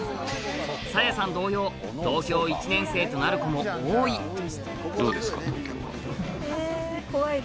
紗弥さん同様東京１年生となる子も多いえ？